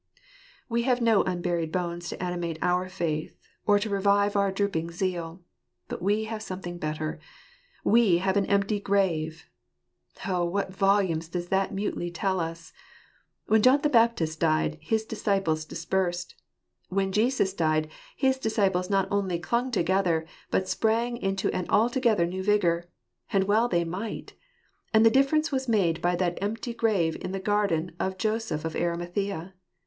We have no unburied bones to animate our faith, or to revive our drooping zeal ; but we have something better — we have an empty grave. Oh, what volumes does that mutely tell us ! When John the Baptist died, his disciples dispersed ; when Jesus died, his disciples not only clung together, but sprang up into an altogether new vigour. And well they might ! And the difference was made by that empty grave in the garden of Joseph of Arimathea.